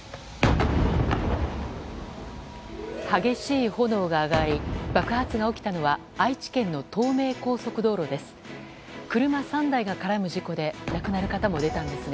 激しい炎が上がり爆発が起きたのは愛知県の東名高速道路です。